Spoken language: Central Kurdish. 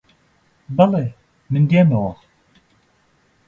بەڵێ، من دێمەوە